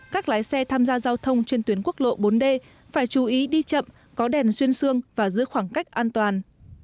các lái xe tham gia giao thông trên tuyến quốc lộ bốn d phải chú ý đi chậm có đèn xuyên xương và giữ khoảng cách an toàn